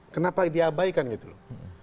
kenapa diabaikan gitu loh